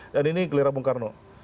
dan ini kelirapungkarno